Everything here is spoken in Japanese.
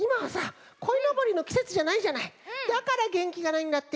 だからげんきがないんだって！